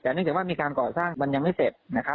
แต่เนื่องจากว่ามีการก่อสร้างมันยังไม่เสร็จนะครับ